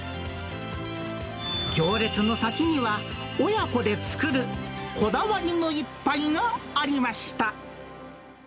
行列の先には、親子で作るこだわりの一杯がありました。